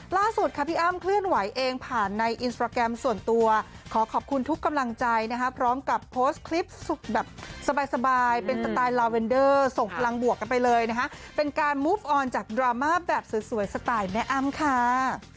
ล่าสุดค่ะพี่อ้ำเคลื่อนไหวเองผ่านในอินสตราแกรมส่วนตัวขอขอบคุณทุกกำลังใจนะคะพร้อมกับโพสต์คลิปสุดแบบสบายเป็นสไตล์ลาเวนเดอร์ส่งพลังบวกกันไปเลยนะฮะเป็นการมูฟออนจากดราม่าแบบสวยสไตล์แม่อ้ำค่ะ